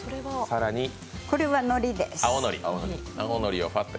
これはのりです。